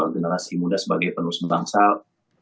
generasi muda sebagai penerus bangsal